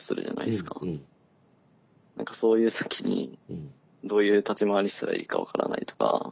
そういう時にどういう立ち回りしたらいいか分からないとか。